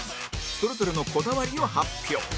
それぞれのこだわりを発表！